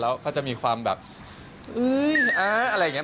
แล้วก็จะมีความแบบอื้ออะไรอย่างนี้